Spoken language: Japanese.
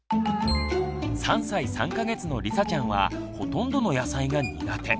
３歳３か月のりさちゃんはほとんどの野菜が苦手。